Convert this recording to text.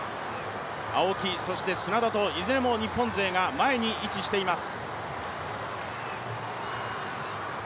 青木、砂田といずれも日本勢が前に位置しています。